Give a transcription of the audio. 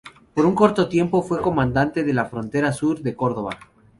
Por un corto tiempo, fue comandante de la frontera sur de Córdoba.